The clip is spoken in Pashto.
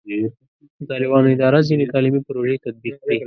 د طالبانو اداره ځینې تعلیمي پروژې تطبیق کړي.